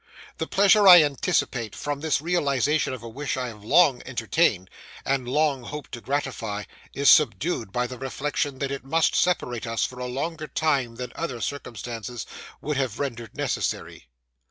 The pleasure I anticipate from this realization of a wish I have long entertained, and long hoped to gratify, is subdued by the reflection that it must separate us for a longer time than other circumstances would have rendered necessary.